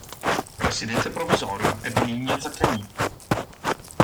Presidente Provvisorio è Benigno Zaccagnini.